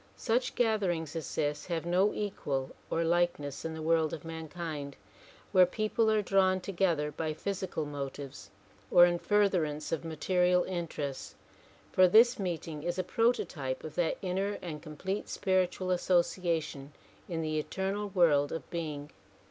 Such gatherings as this have no equal or likeness m the world of mankind where people are drawn together by physical motives or in furtherance of material interests, for this meeting is a prototype of that inner and complete spiritual association in the eternal world of being.